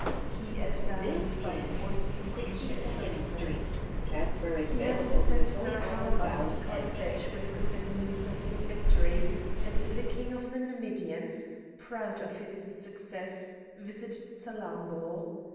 He advanced by forced marches upon it. He had sent Narr' Havas to Carthage with the news of his victory; and the King of the Numidians, proud of his success, visited Salammbô.